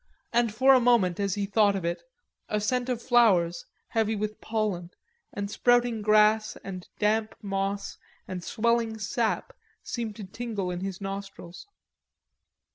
And for a moment as he thought of it a scent of flowers, heavy with pollen, and sprouting grass and damp moss and swelling sap, seemed to tingle in his nostrils.